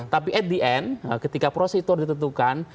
tapi at the end ketika proses itu harus ditentukan